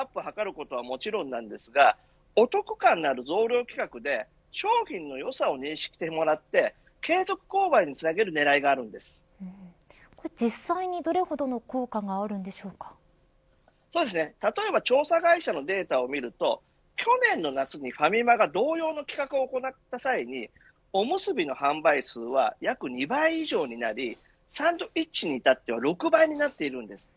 キャンペーン期間中はとうぜん売り上げアップを図ることはもちろんなんですがお得感のある増量企画で商品の良さを認識してもらって継続購買につなげる実際にどれほどの効果が例えば調査会社のデータを見ると去年の夏に、ファミマが同様の企画を行った際におむすびの販売数は約２倍以上になりサンドイッチに至っては６倍になっています。